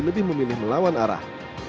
lebih memilih melawan arah